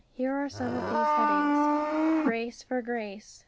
Here are some of these headings: Grace for grace.